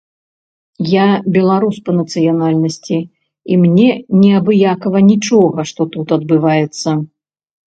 Я беларус па нацыянальнасці, і мне неабыякава нічога, што тут адбываецца.